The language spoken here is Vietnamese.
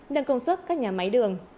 nâng công suất các nhà máy đường